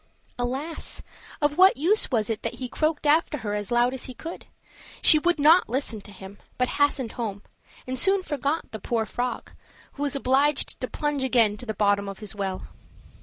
Alas! of what use was it that he croaked after her as loud as he could. She would not listen to him, but hastened home, and soon forgot the poor frog, who was obliged to plunge again to the bottom of his well.